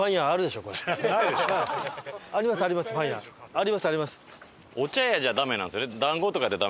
ありますあります。